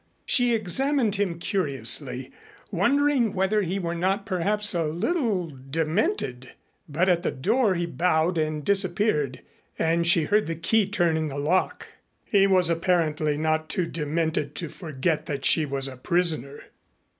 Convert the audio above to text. She examined him curiously, wondering whether he were not perhaps a little demented. But at the door he bowed and disappeared and she heard the key turn in the lock. He was apparently not too demented to forget that she was a prisoner.